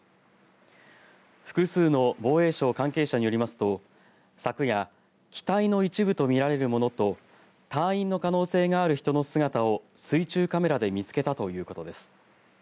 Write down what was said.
複数の防衛省関係者によりますと昨夜機体の一部と見られるものと隊員の可能性がある人の姿を水中カメラで見つけたということです。